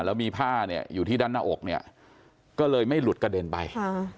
แล้วมีผ้าเนี่ยอยู่ที่ด้านหน้าอกเนี่ยก็เลยไม่หลุดกระเด็นไปค่ะ